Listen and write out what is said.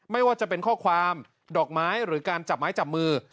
ไม่ว่าจะเป็นข้อความดอกไม้หรือการจับไม้จับมือ